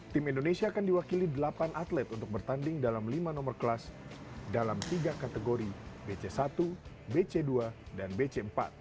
tim indonesia akan diwakili delapan atlet untuk bertanding dalam lima nomor kelas dalam tiga kategori bc satu bc dua dan bc empat